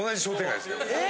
え！